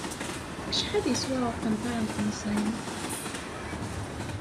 Acḥal yeswa uqenṭar n temẓin?